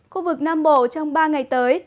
khu vực nam bộ trong ba ngày tới